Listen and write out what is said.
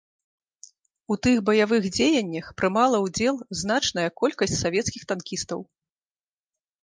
У тых баявых дзеяннях прымала ўдзел значная колькасць савецкіх танкістаў.